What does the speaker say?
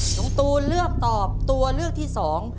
น้องตูนเลือกตอบตัวเลือกที่สอง